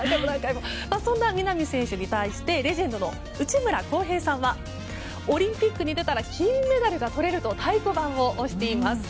そんな南選手に対してレジェンドの内村航平さんはオリンピックに出たら金メダルがとれると太鼓判を押しています。